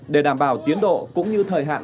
để đảm bảo tiến độ cũng như thời hạn